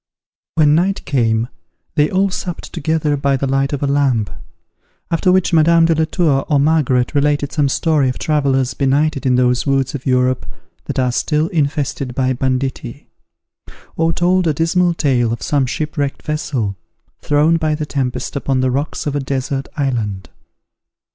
When night came, they all supped together by the light of a lamp; after which Madame de la Tour or Margaret related some story of travellers benighted in those woods of Europe that are still infested by banditti; or told a dismal tale of some shipwrecked vessel, thrown by the tempest upon the rocks of a desert island.